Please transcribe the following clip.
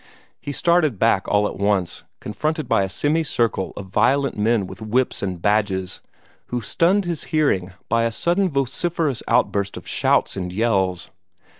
He started back all at once, confronted by a semi circle of violent men with whips and badges, who stunned his hearing by a sudden vociferous outburst of shouts and yells.